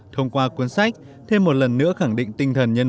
thông qua cuốn sách thêm một lần nữa khẳng định tinh thần nhân